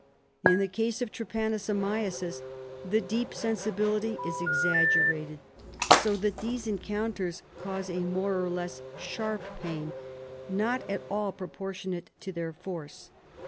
In the case of trypanosomiasis the deep sensibility is exaggerated, so that these encounters cause a more or less sharp pain, not at all proportionate to their force.